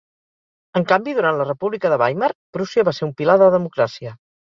En canvi, durant la República de Weimar Prússia va ser un pilar de democràcia.